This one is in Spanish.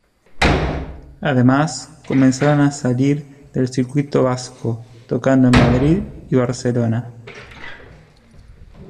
Además comenzaron a salir del circuito vasco, tocando en Madrid y Barcelona.